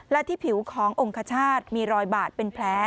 และที่ผิวขององคชาติมีรอยบาดเป็นแผล